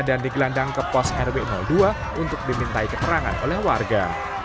dan digelandang ke pos rw dua untuk dimintai keterangan oleh warga